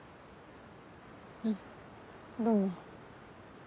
あっどうも。